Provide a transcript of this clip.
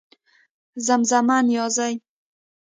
زمزمه نيازۍ